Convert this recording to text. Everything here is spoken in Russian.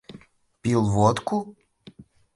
Пил водку?